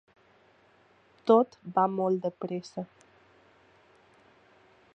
Tot va molt de pressa.